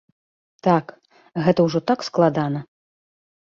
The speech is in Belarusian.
Так, гэта ўжо так складана!